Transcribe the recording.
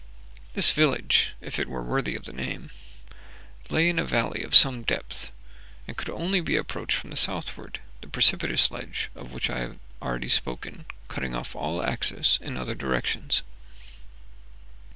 This village, if it were worthy of the name, lay in a valley of some depth, and could only be approached from the southward, the precipitous ledge of which I have already spoken cutting off all access in other directions.